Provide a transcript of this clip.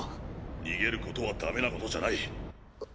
逃げることは駄目なことじゃない。